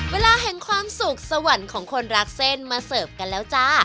เวลาแห่งความสุขสวรรค์ของคนรักเส้นมาเสิร์ฟกันแล้วจ้า